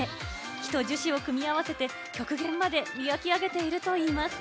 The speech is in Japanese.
木と樹脂を組み合わせて極限まで磨き上げているといいます。